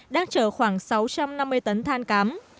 đang chở khoảng sáu trăm năm mươi tấn than cám